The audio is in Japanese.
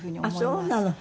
あっそうなの。